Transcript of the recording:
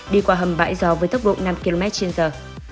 đi qua hầm bãi gió với tốc độ năm km trên giờ